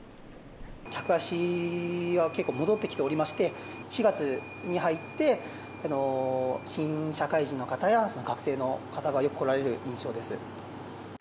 客足は結構戻ってきておりまして、４月に入って、新社会人の方や学生の方がよく来られる印象です。